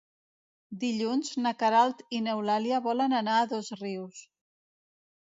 Dilluns na Queralt i n'Eulàlia volen anar a Dosrius.